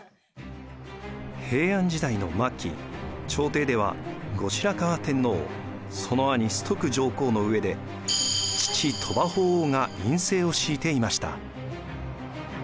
平安時代の末期朝廷では後白河天皇その兄崇徳上皇の上で父鳥羽法皇が院政を敷いていました。